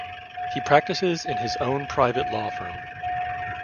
He practices in his own private law firm.